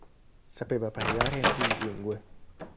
Sapeva parlare più lingue.